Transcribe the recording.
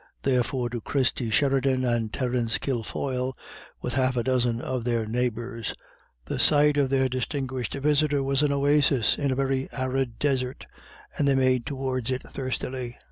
Therefore to Christy Sheridan and Terence Kilfoyle, with half a dozen of their neighbours, the sight of their distinguished visitor was an oasis in a very arid desert, and they made towards it thirstily.